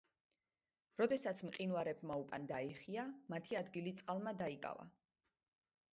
როდესაც მყინვარებმა უკან დაიხია, მათი ადგილი წყალმა დაიკავა.